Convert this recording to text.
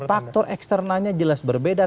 faktor eksternalnya jelas berbeda